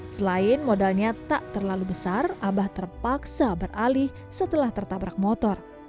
selain modalnya tak terlalu besar abah terpaksa beralih setelah tertabrak motor